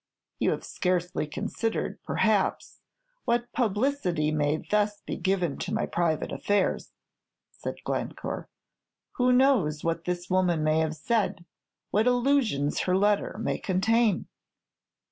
"You have scarcely considered, perhaps, what publicity may thus be given to my private affairs," said Glencore. "Who knows what this woman may have said; what allusions her letter may contain?"